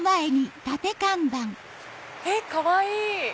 えっかわいい！